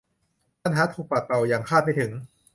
ปัญหาถูกปัดเป่าอย่างคาดไม่ถึง